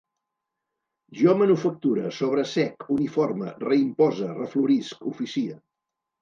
Jo manufacture, sobresec, uniforme, reimpose, reflorisc, oficie